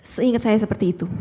seingat saya seperti itu